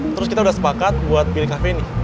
terus kita udah sepakat buat pilih cafe ini